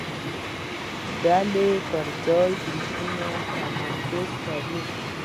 ډلې پر ځای ګروپونو تمرکز کوي.